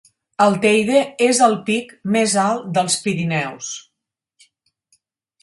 El Teide és el pic més alt dels Pirineus.